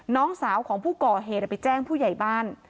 น้องสาวของผู้ก่อเหตุไปแจ้งผู้ใหญ่บ้าน